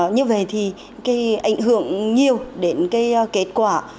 như vậy thì cái ảnh hưởng nhiều đến cái kết quả